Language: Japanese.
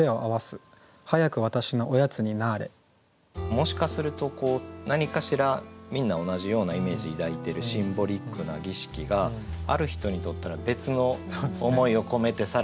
もしかすると何かしらみんな同じようなイメージ抱いてるシンボリックな儀式がある人にとったら別の思いを込めてされてることも。